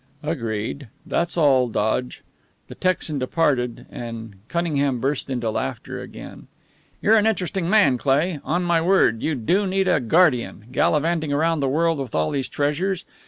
"Agreed. That's all, Dodge." The Texan departed, and Cunningham burst into laughter again. "You're an interesting man, Cleigh. On my word, you do need a guardian gallivanting round the world with all these treasures.